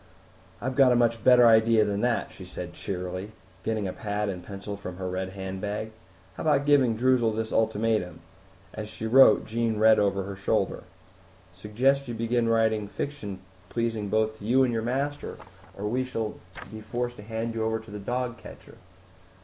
"I've got a much better idea than that," she said cheerily, getting a pad and pencil from her red handbag. "How about giving Droozle this ultimatum?" As she wrote, Jean read over her shoulder, "'Suggest you begin writing fiction pleasing both to you and your master, or we shall be forced to hand you over to the dog catcher!'"